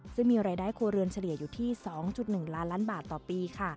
ซึ่งมีรายได้ครัวเรือนเฉลี่ยอยู่ที่๒๑ล้านล้านบาทต่อปีค่ะ